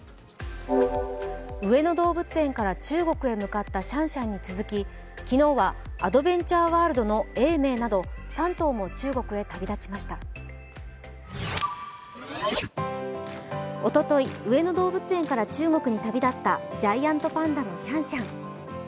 上野動物園から中国へ向かったシャンシャンに続き、昨日はアドベンチャーワールドの永明など３頭も中国へ旅立ちましたおととい、上野動物園から中国に旅立ったジャイアントパンダのシャンシャン。